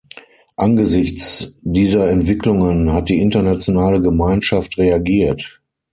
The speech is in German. Angesichts dieser Entwicklungen hat die internationale Gemeinschaft reagiert.